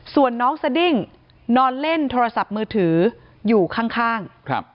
ส่วนน้องสดิ้งนอนเล่นโทรศัพท์มือถืออยู่ข้าง